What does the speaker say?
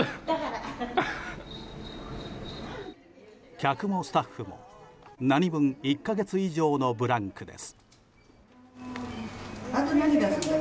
客もスタッフも何分１か月以上のブランクです。